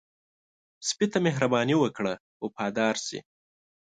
سپي ته مهرباني وکړه، وفاداره شي.